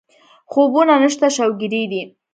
خوبونه نشته شوګېري دي